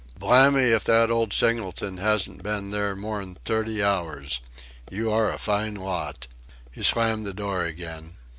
Blamme if that old Singleton hasn't been there more'n thirty hours. You are a fine lot." He slammed the door again.